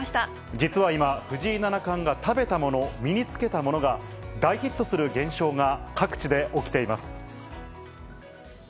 実は今、藤井七冠が食べたもの、身につけたものが、大ヒットする現象が各地で起きています。